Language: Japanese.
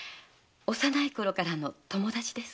幼いころからの友達です。